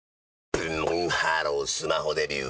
ブンブンハロースマホデビュー！